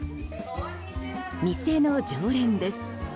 店の常連です。